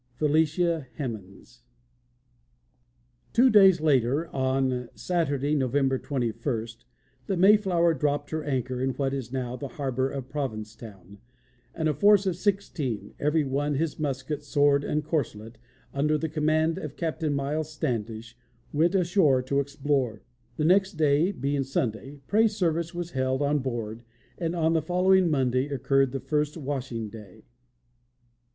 FELICIA HEMANS. Two days later, on Saturday, November 21, the Mayflower dropped her anchor in what is now the harbor of Provincetown, and a force of sixteen, "every one his Musket, Sword and Corslet, under the command of Captaine Myles Standish," went ashore to explore. The next day, being Sunday, praise service was held on board, and on the following Monday occurred the first washing day.